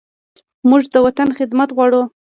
موږ د وطن خدمت غواړو.